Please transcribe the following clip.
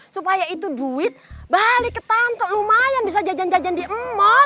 supaya itu duit balik ke tante lumayan bisa jajan jajan di mall